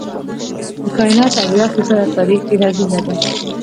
د کائنات اويا فیصده تاریک انرژي ده.